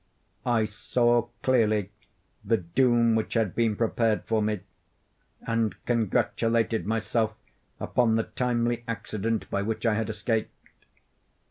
I saw clearly the doom which had been prepared for me, and congratulated myself upon the timely accident by which I had escaped.